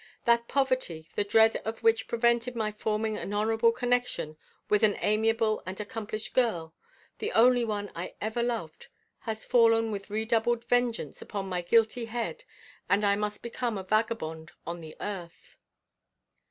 That poverty, the dread of which prevented my forming an honorable connection with an amiable and accomplished girl, the only one I ever loved, has fallen with redoubled vengeance upon my guilty head, and I must become a vagabond on the earth.